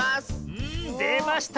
うんでました！